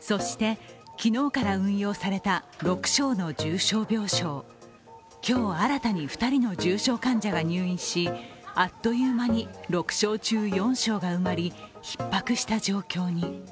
そして、昨日から運用された６床の重症病床。今日新たに２人の重症患者が入院しあっという間に６床中４床が埋まり、ひっ迫した状況に。